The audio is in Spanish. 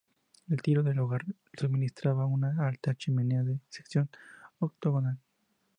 El tiro del hogar lo suministraba una alta chimenea de sección octogonal.